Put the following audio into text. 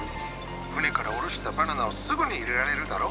船から降ろしたバナナをすぐに入れられるだろ？